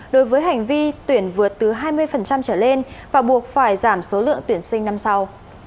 đối với hành vi tuyển vượt từ hai mươi trở lên và buộc phải giảm số lượng tuyển sinh năm sau